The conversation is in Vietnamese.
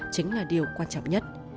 chính là điều quan trọng nhất